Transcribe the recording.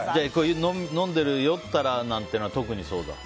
飲んでる酔ったらなんていうのは特に。